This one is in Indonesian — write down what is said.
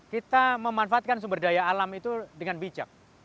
kita memanfaatkan sumber daya alam itu dengan bijak